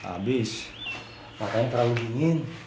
habis matanya terlalu dingin